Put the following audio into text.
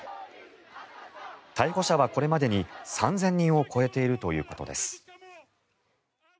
逮捕者はこれまでに３０００人を超えているということです。